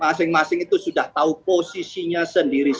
masing masing itu sudah tahu posisinya sendiri